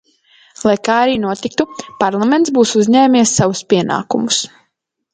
Lai kā arī notiktu, Parlaments būs uzņēmies savus pienākumus.